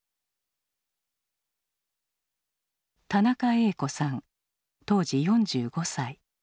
田中栄子さん当時４５歳。